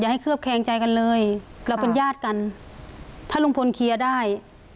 ให้เคลือบแคงใจกันเลยเราเป็นญาติกันถ้าลุงพลเคลียร์ได้